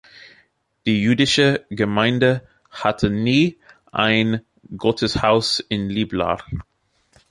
Die jüdische Gemeinde hatte nie ein Gotteshaus in Liblar.